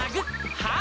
はい！